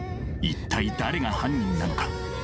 一体誰が犯人なのか。